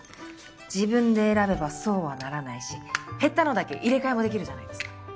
自分で選べばそうはならないし減ったのだけ入れ替えもできるじゃないですか。